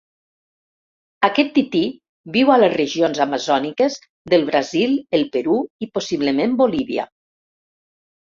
Aquest tití viu a les regions amazòniques del Brasil, el Perú i possiblement Bolívia.